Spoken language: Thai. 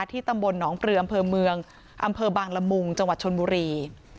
ตำบลหนองปลืออำเภอเมืองอำเภอบางละมุงจังหวัดชนบุรี